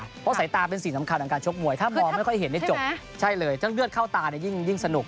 เพราะสายตาเป็นสิ่งสำคัญของการชกมวยถ้ามองไม่ค่อยเห็นได้จบใช่เลยทั้งเลือดเข้าตาเนี่ยยิ่งสนุก